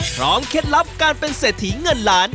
เคล็ดลับการเป็นเศรษฐีเงินล้าน